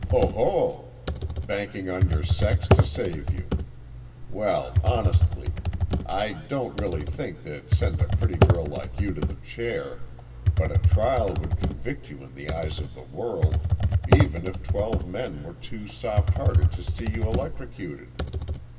"Ho, ho. Banking on your sex to save you! Well, honestly, I don't really think they'd send a pretty girl like you to the chair, but a trial would convict you in the eyes of the world, even if twelve men were too soft hearted to see you electrocuted.